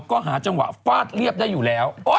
ก็หาจังหวะฟาดเรียบได้อยู่แล้ว